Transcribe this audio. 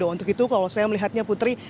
untuk itu kalau saya melihatnya putri